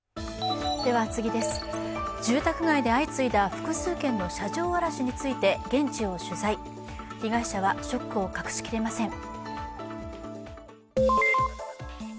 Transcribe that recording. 住宅街で相次いだ複数件の車上荒らしについて現地を取材、被害者はショックを隠しきれません。